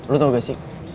lo tau gak sih